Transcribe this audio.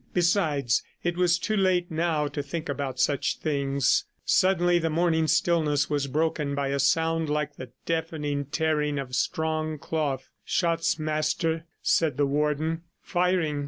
Besides, it was too late now to think about such things. Suddenly the morning stillness was broken by a sound like the deafening tearing of strong cloth. "Shots, Master," said the Warden. "Firing!